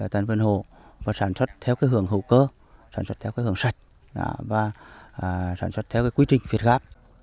tại vườn hồ và sản xuất theo cái hưởng hữu cơ sản xuất theo cái hưởng sạch và sản xuất theo cái quy trình việt gáp